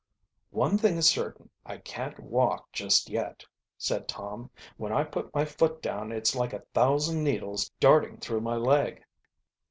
"One thing is certain, I can't walk just yet," said Tom. "When I put my foot down it's like a thousand needles darting through my leg."